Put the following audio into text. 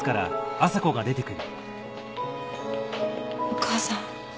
お母さん。